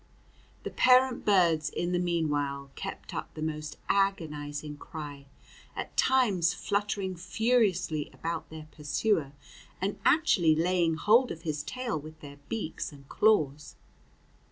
The parent birds, in the mean while, kept up the most agonizing cry, at times fluttering furiously about their pursuer, and actually laying hold of his tail with their beaks and claws.